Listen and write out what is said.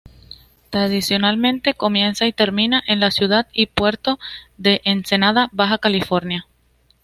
Tradicionalmente comienza y termina en la ciudad y puerto de Ensenada Baja California.